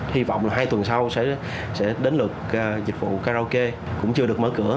hy vọng là hai tuần sau sẽ đến lượt dịch vụ karaoke cũng chưa được mở cửa